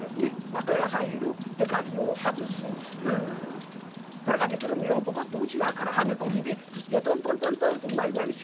中へ入る手かぎを外す取れかけてる目をボコッと内側からはめ込んで槌でトントントントンとうまい具合に修理ができた。